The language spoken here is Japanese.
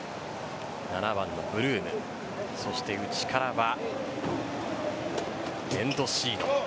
７番のブルームそして内からはメンドシーノ。